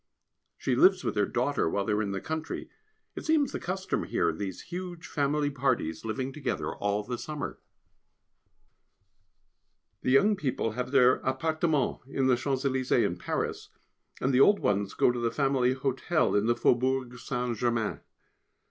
She lives with her daughter while they are in the country it seems the custom here, these huge family parties living together all the summer. [Sidenote: A Visit of Ceremony] The young people have their appartement in the Champs Elysées in Paris, and the old ones go to the family hotel in the _Faubourg St. Germain.